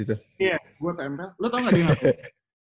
iya gue tempel lu tau gak dia ngapain